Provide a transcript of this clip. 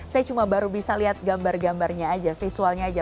saya cuma baru bisa lihat gambar gambarnya aja visualnya aja